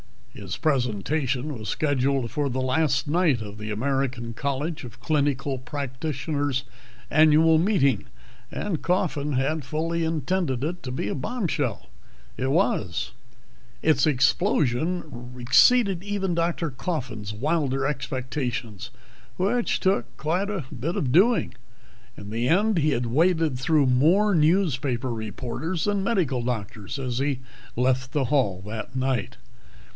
His presentation was scheduled for the last night of the American College of Clinical Practitioners' annual meeting, and Coffin had fully intended it to be a bombshell. It was. Its explosion exceeded even Dr. Coffin's wilder expectations, which took quite a bit of doing. In the end he had waded through more newspaper reporters than medical doctors as he left the hall that night.